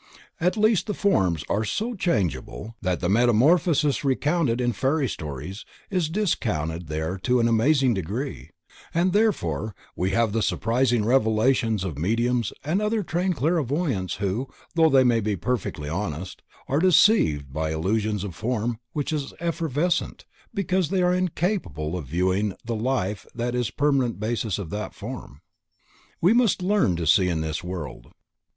At least the forms are so changeable that the metamorphosis recounted in fairy stories is discounted there to an amazing degree, and therefore we have the surprising revelations of mediums and other untrained clairvoyants who, though they may be perfectly honest, are deceived by illusions of form which is evanescent, because they are incapable of viewing the life that is the permanent basis of that form. We must learn to see in this world.